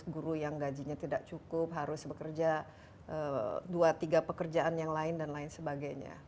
guru yang gajinya tidak cukup harus bekerja dua tiga pekerjaan yang lain dan lain sebagainya